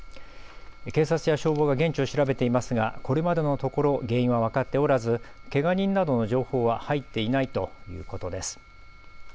警察や消防が現地を調べていますが、これまでのところ原因は分かっておらず、けが人などの情報は入っていないということです。